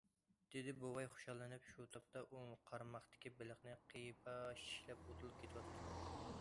- دېدى بوۋاي خۇشاللىنىپ،- شۇ تاپتا ئۇ قارماقتىكى بېلىقنى قىيپاش چىشلەپ ئۇدۇل كېتىۋاتىدۇ.